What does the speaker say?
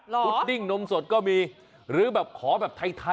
พุดดิ้งนมสดก็มีหรือของแบบทัยนะ